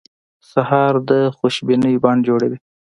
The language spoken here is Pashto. سهار د خوشبینۍ بڼ جوړوي.